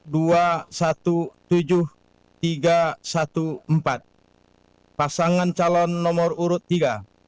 data anggaran di sumbar dengan perolehan satu tujuh ratus empat puluh empat empat puluh dua suara